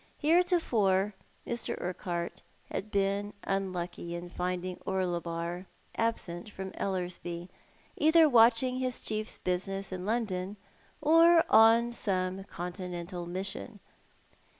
Heretofore Mr. Urquhart had been unlucky in finding Orlebar absent from Ellcrslie, either watching his chief's business in London, or on some Continental mission.